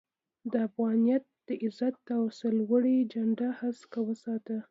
د افغانيت د عزت او سر لوړۍ جنډه هسکه وساته